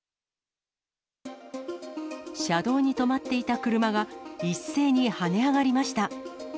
車道に止まっていた車が一斉に跳ね上がりました。